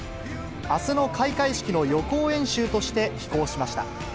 あすの開会式の予行演習として、飛行しました。